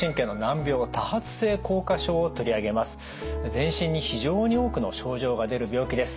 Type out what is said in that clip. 全身に非常に多くの症状が出る病気です。